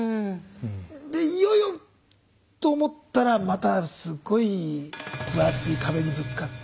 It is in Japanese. でいよいよと思ったらまたすごい分厚い壁にぶつかって。